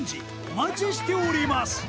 お待ちしております